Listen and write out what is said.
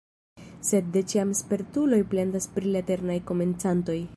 Sed de ĉiam spertuloj plendas pri la eternaj komencantoj.